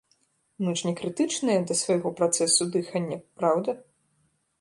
Мы ж не крытычныя да свайго працэсу дыхання, праўда?